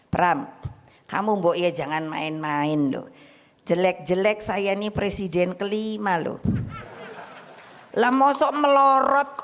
pram kamu mbok ya jangan main main loh jelek jelek saya ini presiden kelima loh lah mosok melorot